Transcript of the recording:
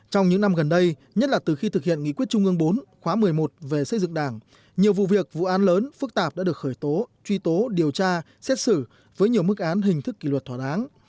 trong những năm gần đây nhất là từ khi thực hiện nghị quyết trung ương bốn khóa một mươi một về xây dựng đảng nhiều vụ việc vụ án lớn phức tạp đã được khởi tố truy tố điều tra xét xử với nhiều mức án hình thức kỷ luật thỏa đáng